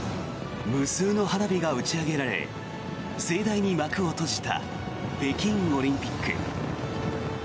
無数の花火が打ち上げられ盛大に幕を閉じた北京オリンピック。